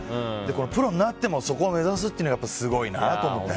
プロになってもそこを目指すのは本当にすごいなと思って。